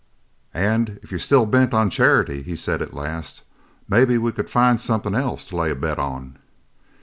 "An' if you're still bent on charity," he said at last, "maybe we could find somethin' else to lay a bet on!"